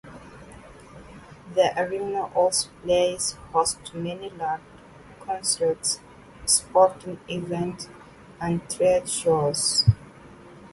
The arena also plays host to many large concerts, sporting events, and trade shows.